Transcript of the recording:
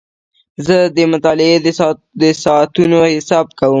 زه د مطالعې د ساعتونو حساب کوم.